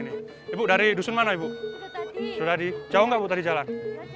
hanya ada kebahagiaan dan antusiasme yang mereka perlihatkan